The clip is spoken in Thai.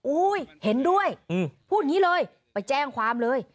อู้ยเห็นด้วยพูดงี้เลยไปแจ้งความเลย